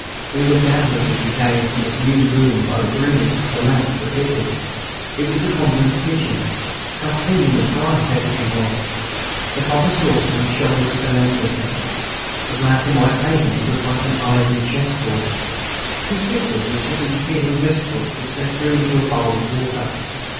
We were dazzled as we came into this new room by the brilliance of the lamps that lit it. It was the convent kitchen. How clean and bright everything was! The copper saucepans shone resplendently. The black and white pavement looked like an ivory chessboard. Two Sisters were sitting peeling vegetables which they threw into a bowl of water.